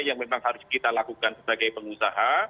yang memang harus kita lakukan sebagai pengusaha